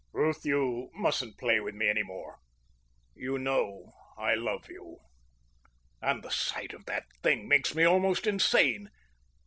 "Ruth, you mustn't play with me any more. You know I love you. And the sight of that thing makes me almost insane.